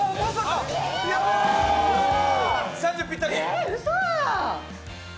えーうそ？